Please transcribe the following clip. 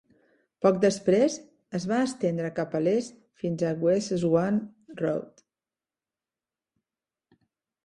Poc després, es va estendre cap a l'est fins a West Swan Road.